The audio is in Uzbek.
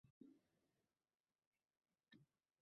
Uchib kelar Qur’on sahifasidan